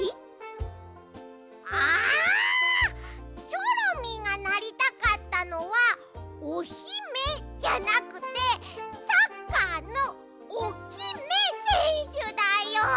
チョロミーがなりたかったのは「オヒメ」じゃなくてサッカーの「オキメ」せんしゅだよ！